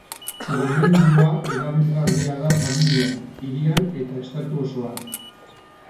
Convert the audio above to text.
Gomendioa erabilgarria da familian, hirian eta estatu osoan.